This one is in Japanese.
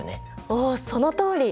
おそのとおり！